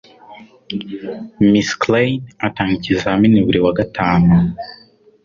Miss Klein atanga ikizamini buri wa gatanu.